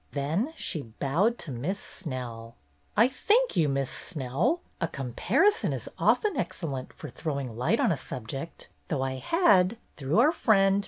Then she bowed to Miss Snell. "I thank you. Miss Snell. A comparison is often excellent for throwing light on a subject, though I had, through our friend.